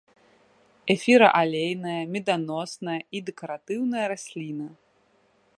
Эфіраалейная, меданосная і дэкаратыўная расліна.